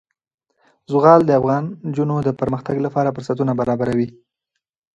زغال د افغان نجونو د پرمختګ لپاره فرصتونه برابروي.